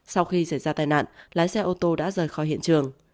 sau khi xảy ra tai nạn lái xe ô tô đã rời khỏi hiện trường